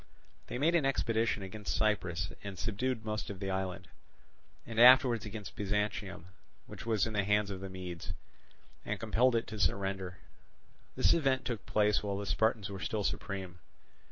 They made an expedition against Cyprus and subdued most of the island, and afterwards against Byzantium, which was in the hands of the Medes, and compelled it to surrender. This event took place while the Spartans were still supreme.